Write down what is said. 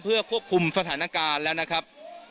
เพื่อควบคุมสถานการณ์แล้วนะครับ